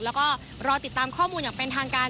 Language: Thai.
แล้วก็รอติดตามข้อมูลอย่างเป็นทางการ